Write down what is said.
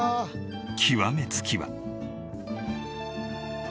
極めつきは。